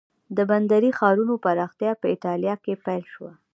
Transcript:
د بندري ښارونو پراختیا په ایټالیا کې پیل شوه.